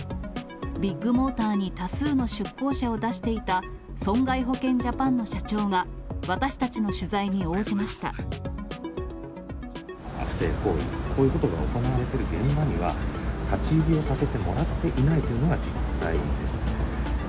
ビッグモーターに多数の出向者を出していた損害保険ジャパンの社不正行為、こういうことが行われている現場には、立ち入りをさせてもらっていないというのが実態ですね。